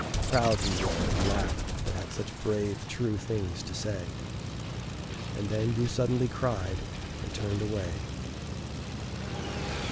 ... Proud we were, And laughed, that had such brave true things to say. And then you suddenly cried, and turned away.